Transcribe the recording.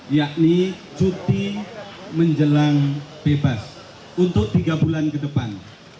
yakni cuti menjelang bebas untuk tiga bulan ke depan